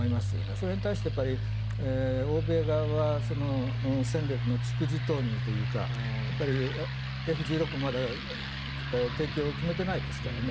それに対して欧米側は戦力の逐次投入というかＦ１６も提供を決めてないですからね。